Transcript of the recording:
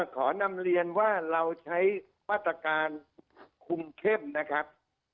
ขอนำเรียนว่าเราใช้มาตรการคุมเข้มนะครับ